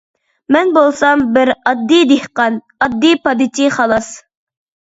مەن بولسام بىر ئاددىي دېھقان، ئاددىي پادىچى خالاس!